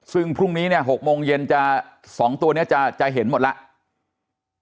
ซึ่งพรุ่งนี้เนี่ย๖โมงเย็น๒ตัวนี้จะเห็นหมดแล้ว